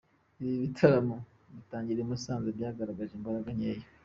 Ibi bitaramo bitangira i Musanze byagaragaje imbaraga nkeya.